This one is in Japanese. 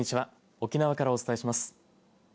沖縄からお伝えします。